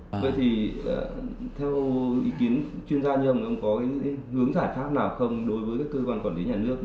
vậy thì theo ý kiến chuyên gia như ông có hướng giải pháp nào không đối với cơ quan quản lý nhà nước